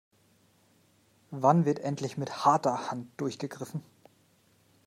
Wann wird endlich mit harter Hand durchgegriffen?